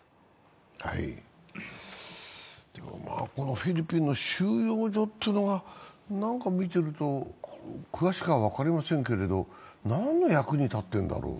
フィリピンの収容所っていうのが、なんか見てると詳しくは分かりませんけれども、何の役に立っているんだろう。